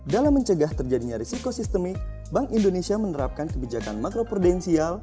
dalam mencegah terjadinya risiko sistemik bank indonesia menerapkan kebijakan makro prudensial